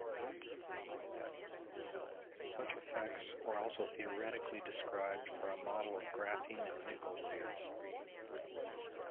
Such effects were also theoretically described for a model of graphene and nickel layers.